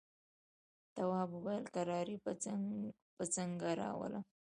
تواب وويل: کراري به څنګه راولم.